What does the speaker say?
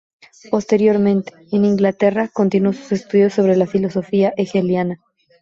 Posteriormente, en Inglaterra, continuó sus estudios sobre la filosofía hegeliana.